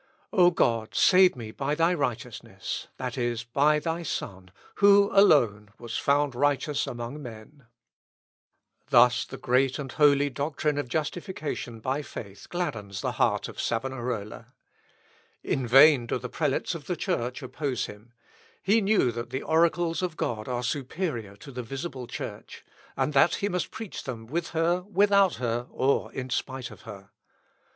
O God, save me by thy righteousness, that is, by thy Son, who alone was found righteous among men." Thus the great and holy doctrine of justification by faith gladdens the heart of Savonarola. In vain do the prelates of the Church oppose him; he knew that the oracles of God are superior to the visible church, and that he must preach them with her, without her, or in spite of her.